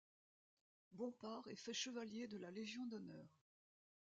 Bompard est fait chevalier de la Légion d'honneur.